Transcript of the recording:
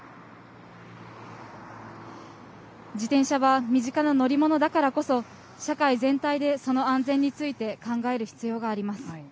自転車は身近な乗り物だからこそ、社会全体でその安全について考える必要があります。